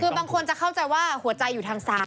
คือบางคนจะเข้าใจว่าหัวใจอยู่ทางซ้าย